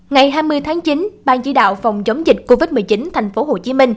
ngày hai mươi tháng chín ban chỉ đạo phòng chống dịch covid một mươi chín tp hcm